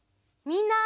みんな！